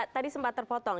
tadi sempat terpotong